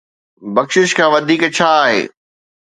بخشش کان وڌيڪ ڇا آهي؟